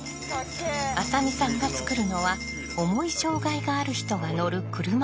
浅見さんが作るのは重い障害がある人が乗る車いす。